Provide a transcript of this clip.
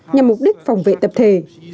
nhằm mục đích phòng vệ tập thể